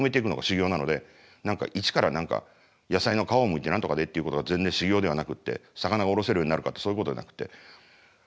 何か一から野菜の皮をむいて何とかでっていうことが全然修業ではなくって魚をおろせるようになるかってそういうことじゃなくて。